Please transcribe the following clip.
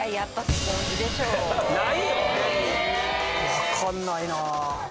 わかんないな。